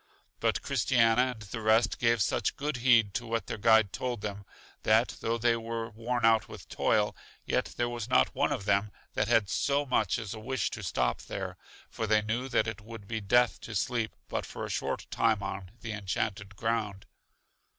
But Christiana and the rest gave such good heed to what their guide told them, that though they were worn out with toil, yet there was not one of them that had so much as a wish to stop there; for they knew that it would be death to sleep but for a short time on The Enchanted Ground.